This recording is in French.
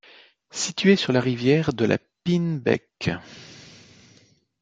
Située sur la rivière de la Peene Becque.